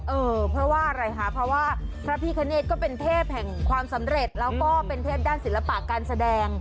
เออเพราะว่าอะไรคะเพราะว่าพระพิคเนธก็เป็นเทพแห่งความสำเร็จแล้วก็เป็นเทพด้านศิลปะการแสดง